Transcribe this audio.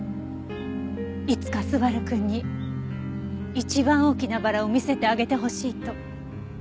いつか昴くんに一番大きなバラを見せてあげてほしいと。